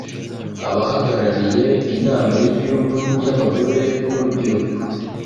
abahagarariye Inama y’Igihugu y’Abagore n’iy’Urubyiruko